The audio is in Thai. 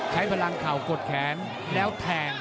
ไข่พลังข่าวกดแขนแล้วแทง